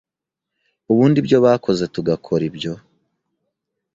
Ubundi ibyo bakoze tugakora ibyo,